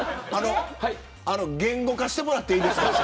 言語化してもらっていいですか。